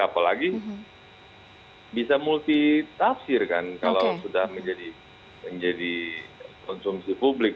apalagi bisa multitafsir kan kalau sudah menjadi konsumsi publik